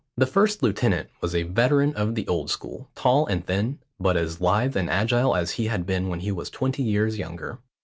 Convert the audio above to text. The first lieutenant was a veteran of the old school, tall and thin, but as lithe and agile as he had been when he was twenty years younger.